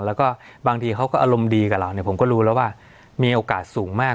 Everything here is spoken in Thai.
แล้วก็บางทีเขาก็อารมณ์ดีกับเราเนี่ยผมก็รู้แล้วว่ามีโอกาสสูงมาก